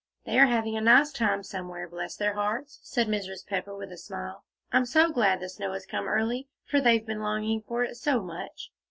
"They are having a nice time, somewhere, bless their hearts," said Mrs. Pepper, with a smile. "I'm so glad the snow has come early, for they've been longing for it so much."